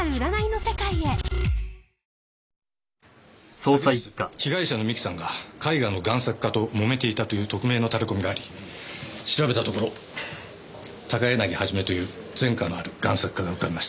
昨日被害者の三木さんが絵画の贋作家ともめていたという匿名のタレこみがあり調べたところ高柳元という前科のある贋作家が浮かびました。